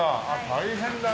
大変だね。